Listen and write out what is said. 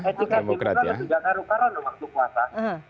etika demokrat itu tidak taruh karun waktu kuasa